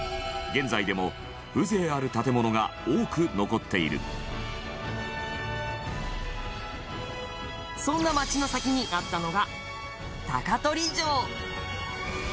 現在でも風情ある建物が多く残っているそんな町の先にあったのが高取城